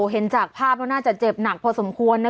เห็นจากภาพแล้วน่าจะเจ็บหนักพอสมควร